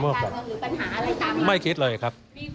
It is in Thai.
ก็คิดว่าตรงนี้มันจะนำให้สูง๖๑๐นักธุรกิจหรือปัญหาอะไรตามนั้น